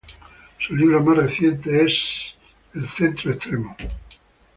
Su libro más reciente es "The extreme centre.